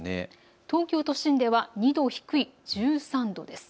東京都心では２度低い１３度です。